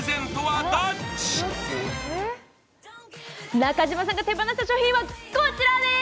中島さんが手放した商品はこちらです！